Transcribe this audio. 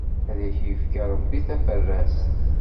Ad ak-ifk, Ṛebbi taferrast!